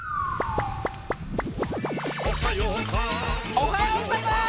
おはようございます！